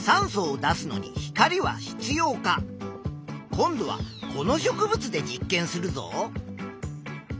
今度はこの植物で実験するぞ。